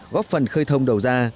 góp phần khơi thông đầu ra